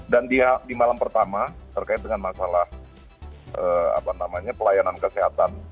dan di malam pertama terkait dengan masalah pelayanan kesehatan